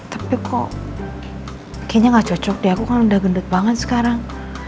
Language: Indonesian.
tapi kok kayaknya gak cocok deh aku kan udah gendut banget sekarang